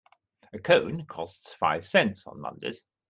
A cone costs five cents on Mondays.